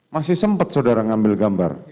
masih sempat saudara ngambil gambar